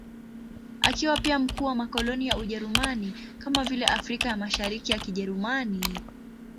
Akiwa pia mkuu wa makoloni ya Ujerumani, kama vile Afrika ya Mashariki ya Kijerumani.